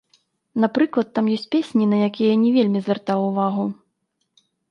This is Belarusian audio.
Напрыклад, там ёсць песні, на якія я не вельмі звяртаў увагу.